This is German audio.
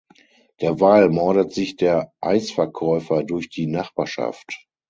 Derweil mordet sich der Eisverkäufer durch die Nachbarschaft.